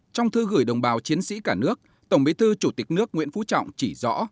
trong thư gửi đồng bào chiến sĩ cả nước tổng bí thư chủ tịch nước nguyễn phú trọng chỉ rõ